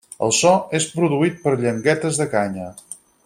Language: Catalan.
El so és produït per llengüetes de canya.